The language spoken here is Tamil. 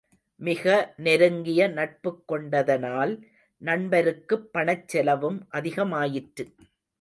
மிக நெருங்கிய நட்புக் கொண்டதனால் நண்பருக்குப் பணச் செலவும் அதிகமாயிற்று.